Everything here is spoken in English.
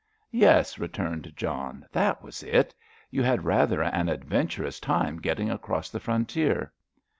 "Yes," returned John, "that was it. You had rather an adventurous time getting across the frontier."